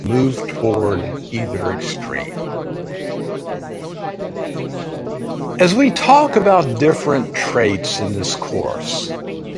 Turquemenistão, Papua-Nova Guiné, Suécia, Uzbequistão, Zimbabwe, Noruega, Alemanha